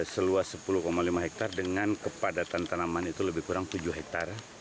seluas sepuluh lima hektare dengan kepadatan tanaman itu lebih kurang tujuh hektare